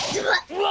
うわ！